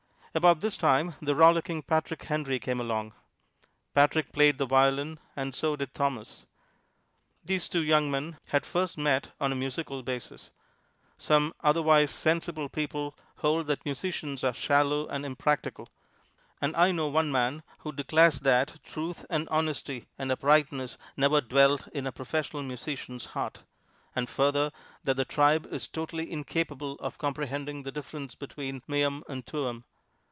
About this time the rollicking Patrick Henry came along. Patrick played the violin, and so did Thomas. These two young men had first met on a musical basis. Some otherwise sensible people hold that musicians are shallow and impractical; and I know one man who declares that truth and honesty and uprightness never dwelt in a professional musician's heart; and further, that the tribe is totally incapable of comprehending the difference between "meum" and "tuum."